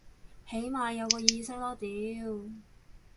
起碼有個意識囉屌